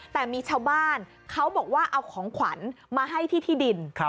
แต่มีชาวบ้านเขาบอกว่าเอาของขวัญมาให้ที่ที่ดิน